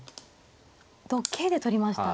同桂で取りましたね。